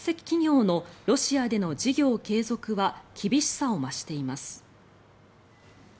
企業のロシアでの事業継続は厳しさを増しています。